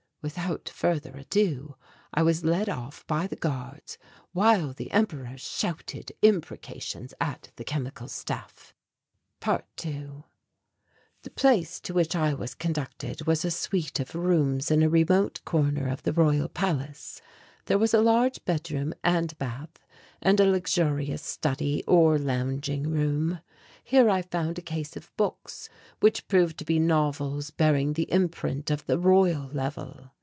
Without further ado I was led off by the guards, while the Emperor shouted imprecations at the Chemical Staff. ~2~ The place to which I was conducted was a suite of rooms in a remote corner of the Royal Palace. There was a large bedroom and bath, and a luxurious study or lounging room. Here I found a case of books, which proved to be novels bearing the imprint of the Royal Level.